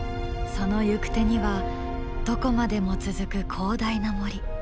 その行く手にはどこまでも続く広大な森。